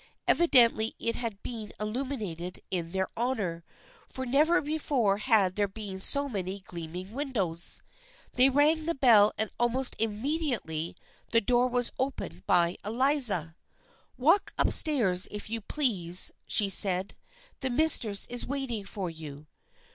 Evidently it had been illuminated in their honor, for never before had there been so many gleaming windows. They rang the bell and almost immediately the door was opened by Eliza. " Walk up stairs, if you please," she said. " The mistress is waiting for you."